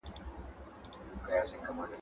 ایا ځايي کروندګر چارمغز ساتي؟